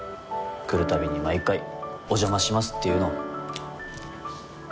来るたびに毎回「お邪魔します」って言うの。